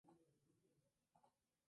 Es un personaje de la "saga Eyrbyggja".